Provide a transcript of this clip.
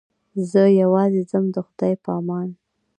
زه یوازې ځم د خدای په امان.